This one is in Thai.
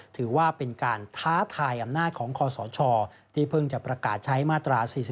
ถือว่าเป็นการท้าทายอำนาจของคอสชที่เพิ่งจะประกาศใช้มาตรา๔๔